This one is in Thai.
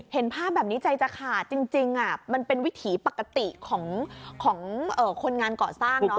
เห็นภาพแบบนี้ใจจะขาดจริงมันเป็นวิถีปกติของคนงานเกาะสร้างเนาะ